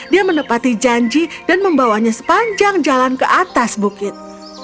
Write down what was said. dia menepati janji dan membawanya sepanjang jalan ke atas bukit